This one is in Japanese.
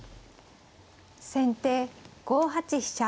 先手５八飛車。